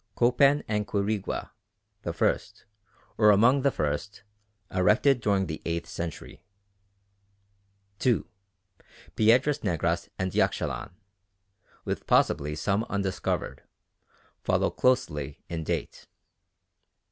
Copan and Quirigua, the first, or among the first, erected during the eighth century. 2. Piedras Negras and Yaxchilan, with possibly some undiscovered, follow closely in date.